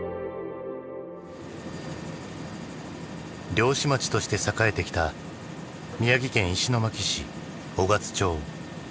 漁師町として栄えてきた宮城県石巻市雄勝町。